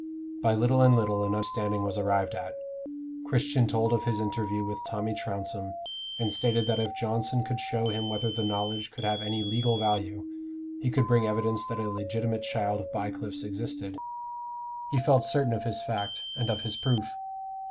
By little and little an understanding was arrived at. Christian told of his interview with Tommy Trounsem, and stated that if Johnson could show him whether the knowledge could have any legal value, he could bring evidence that a legitimate child of Bycliffe's existed: he felt certain of his fact, and of his proof.